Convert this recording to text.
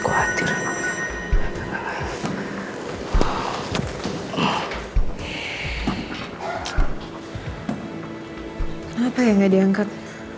kenapa ya gak diangkat